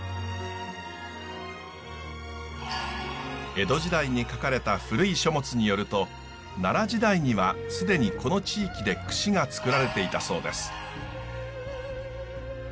江戸時代に書かれた古い書物によると奈良時代には既にこの地域で櫛が作られていたそうです。